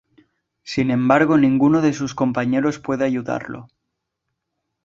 Sin embargo ninguno de sus compañeros puede ayudarlo.